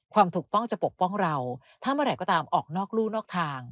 ความถูกต้องจะปกป้องเราถ้าเมื่อไหร่ก็ตามออกนอกรู่นอกทาง